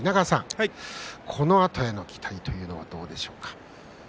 このあとへの期待はどうでしょうか。